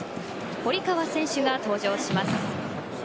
堀川選手が登場します。